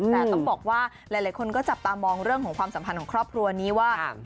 แต่ต้องบอกว่าหลายคนก็จับตามองเรื่องของความสัมพันธ์ของครอบครัวนี้ว่า